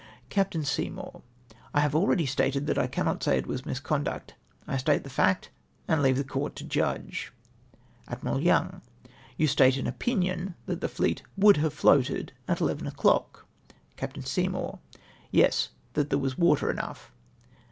Capt. Seymour. —" I have already stated that I cannot say it was misconduct. I state the fact and leave the court TO JUDGE." Admiral Young. —" You state an opinion that the fleet would have floated in at eleven o'clock." Capt. Seymour. — "Yes, that there was water enough."